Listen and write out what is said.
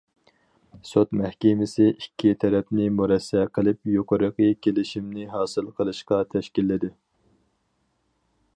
سوت مەھكىمىسى ئىككى تەرەپنى مۇرەسسە قىلىپ يۇقىرىقى كېلىشىمنى ھاسىل قىلىشقا تەشكىللىدى.